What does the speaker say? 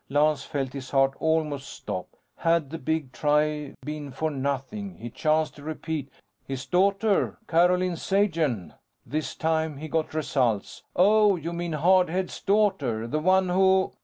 _ Lance felt his heart almost stop. Had the big try been for nothing? He chanced a repeat. "His daughter. Carolyn Sagen." This time, he got results. "Oh! You mean Hard Head's daughter. The one who